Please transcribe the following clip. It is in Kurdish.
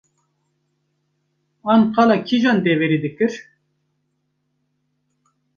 an qala kîjan deverê dikir